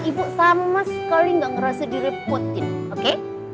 ibu sama sekali gak ngerasa direpotin oke